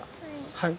はい。